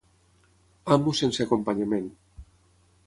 amb o sense acompanyament